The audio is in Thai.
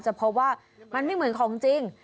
เพราะว่ามันไม่เหมือนของจริง